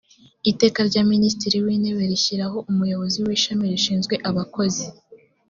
iteka rya minisitiri w’intebe rishyiraho umuyobozi w’ishami rishinzwe abakozi